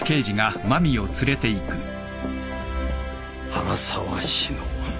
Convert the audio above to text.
原沢志乃。